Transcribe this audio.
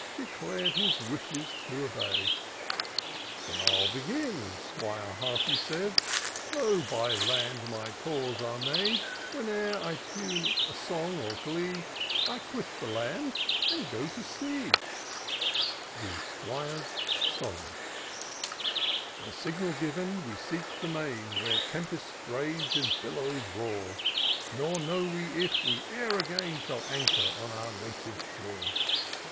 Declared his wishes to obey. " Then 111 begin," 'Squire Hearty said ;But though by land my tours are made, Whene'er I tune a song or glee, I quit the land, and go to sea." IN SEARCH OF THB PICTURESQUE. 1 19 The 'Squire's Song. The signal given, we seek the main, Where tempests rage, and billows roar ; Nor know we if we e'er, again Shall anchor on our native shore.